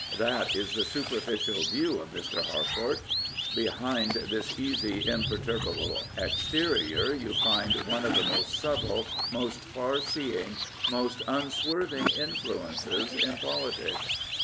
I That is the superficial view of Mr. Harcourt, Behind this easy, imperturbable exterior you find one of the most subtle, most far seeing, most unswerving influences in politics.